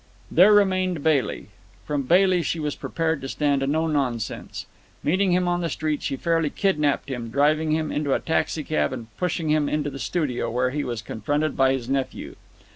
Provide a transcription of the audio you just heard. There remained Bailey. From Bailey she was prepared to stand no nonsense. Meeting him on the street, she fairly kidnapped him, driving him into a taxicab and pushing him into the studio, where he was confronted by his nephew.